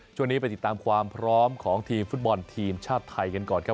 ช่วงนี้ไปติดตามความพร้อมของทีมฟุตบอลทีมชาติไทยกันก่อนครับ